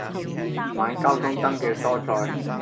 買交通燈嘅蔬菜